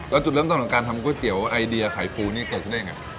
แล้วจุดเริ่มต่อการทำก้วยเตี๋ยวไอเดียขายฟูเตรียมได้ยังไง